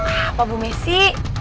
apa bu messi